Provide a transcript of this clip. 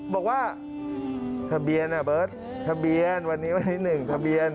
บอกว่าทะเบียนอ่ะเบิร์ดทะเบียนวันนี้วันนี้หนึ่งทะเบียน